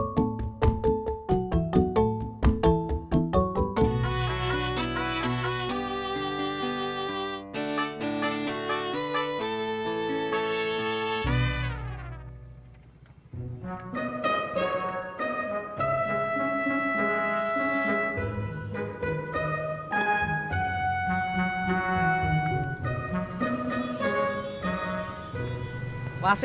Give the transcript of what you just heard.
betul anu bapak butari